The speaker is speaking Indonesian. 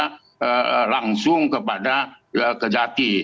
kita tidak bisa langsung kepada kak jati